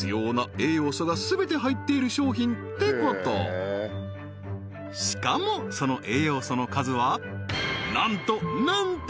そうしかもその栄養素の数はなんとなんと！